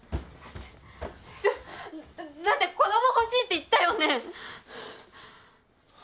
だって、子供欲しいって言ったよね？